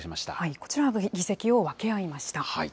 こちら、議席を分け合いました。